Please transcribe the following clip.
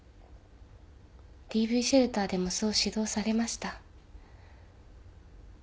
ＤＶシェルターでもそう指導されました。